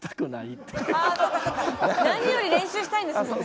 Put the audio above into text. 何より練習したいんですもんね。